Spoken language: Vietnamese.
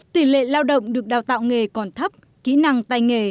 tỷ lệ lao động được đào tạo nghề còn thấp kỹ năng tay nghề